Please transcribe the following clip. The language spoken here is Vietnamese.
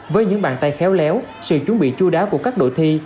với những bàn tay khéo léo sự chuẩn bị chua đá của các đội thi